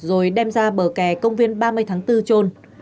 rồi đem ra bờ kè công viên ba mươi tháng bốn trôn